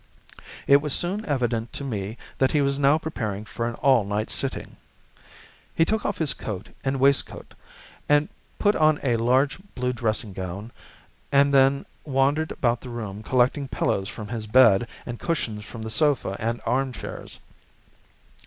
It was soon evident to me that he was now preparing for an all night sitting. He took off his coat and waistcoat, put on a large blue dressing gown, and then wandered about the room collecting pillows from his bed and cushions from the sofa and armchairs.